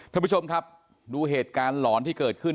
ท่านผู้ชมครับดูเหตุการณ์หลอนที่เกิดขึ้น